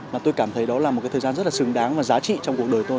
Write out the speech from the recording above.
mà tôi cảm thấy đó là một cái thời gian rất là xứng đáng và giá trị trong cuộc đời tôi